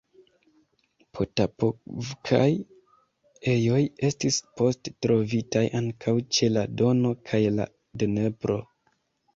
Potapovkaj ejoj estis poste trovitaj ankaŭ ĉe la Dono kaj la Dnepro.